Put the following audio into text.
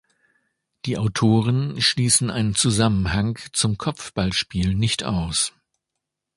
Die Autoren schließen einen Zusammenhang zum Kopfballspiel nicht aus.